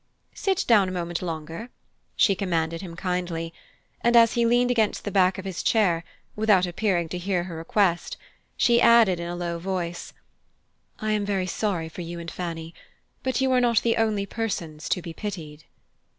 "Sit down a moment longer," she commanded him kindly; and as he leaned against the back of his chair, without appearing to hear her request, she added in a low voice: "I am very sorry for you and Fanny but you are not the only persons to be pitied."